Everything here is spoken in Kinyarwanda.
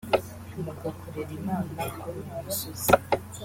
mugakorera Imana kuri uyu musozi